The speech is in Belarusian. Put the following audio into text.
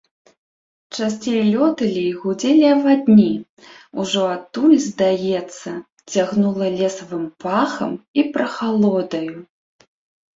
Часцей лёталі і гудзелі авадні, ужо адтуль, здаецца, цягнула лесавым пахам і прахалодаю.